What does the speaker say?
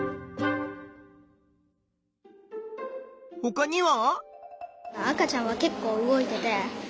ほかには？